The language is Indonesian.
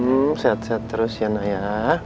hmm sehat sehat terus ya nak ya